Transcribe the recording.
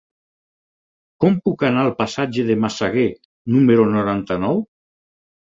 Com puc anar al passatge de Massaguer número noranta-nou?